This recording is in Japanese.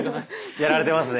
やられてますね。